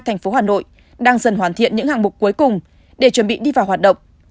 thành phố hà nội đang dần hoàn thiện những hạng mục cuối cùng để chuẩn bị đi vào hoạt động